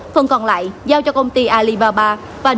phần còn lại giao cho công ty alibaba